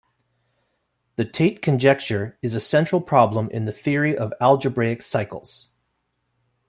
The Tate conjecture is a central problem in the theory of algebraic cycles.